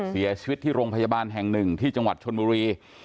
เสียชีวิตที่โรงพยาบาลแห่งหนึ่งที่จังหวัดชนบุรี